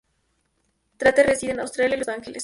Tate reside en Australia y Los Ángeles.